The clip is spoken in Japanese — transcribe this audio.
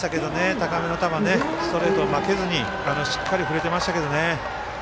高めの球、ストレートに負けずにしっかり振れてましたけどね。